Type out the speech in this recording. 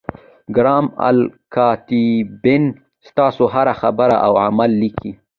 کرام الکاتبین ستاسو هره خبره او عمل لیکي.